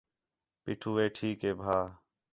پیٹھو ہے ٹھیک ہے بھا